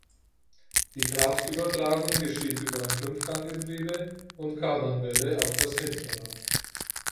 Die Kraftübertragung geschieht über ein Fünfganggetriebe und Kardanwelle auf das Hinterrad.